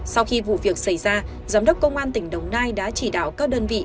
sau khi vụ việc xảy ra giám đốc công an tỉnh đồng nai đã chỉ đạo các đơn vị